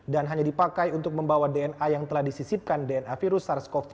dan hanya dipakai untuk membawa dna yang telah disisipkan dna virus sars cov dua